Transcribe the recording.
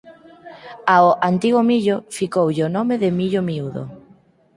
Ao "antigo millo" ficoulle o nome de millo miúdo.